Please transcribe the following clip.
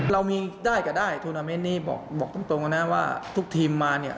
เรามีได้ก็ได้ทูนาเมนต์นี้บอกตรงนะว่าทุกทีมมาเนี่ย